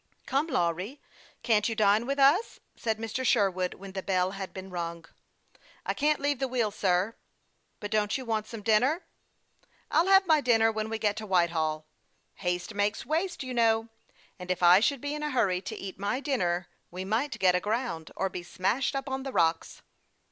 " Come, Lawry, can't you dine with us ?" said Mr. Sherwood, when the bell had been rung. " I can't leave the wheel, sir." " But don't you want some dinner ?"" I'll have my dinner when ' we get to Whitehall. Haste makes waste, you know ; and if I should be in a hurry to eat my dinner we might get aground, or be smashed up on the rocks."